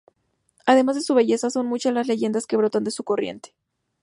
Además de su belleza, son muchas las leyendas que brotan de su corriente.